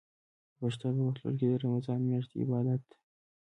د پښتنو په کلتور کې د رمضان میاشت د عبادت ده.